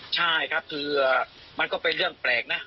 ใช่ครับคือมันก็เป็นเรื่องแปลกนะ